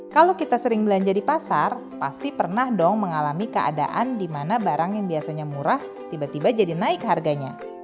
kalau kita sering belanja di pasar pasti pernah dong mengalami keadaan di mana barang yang biasanya murah tiba tiba jadi naik harganya